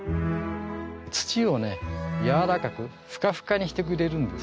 土をねやわらかくフカフカにしてくれるんですね。